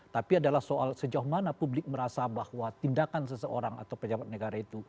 tapi adalah soal sejauh mana publik merasa bahwa tindakan seseorang atau pejabat negara itu